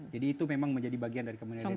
jadi itu memang menjadi bagian dari kemendirian kita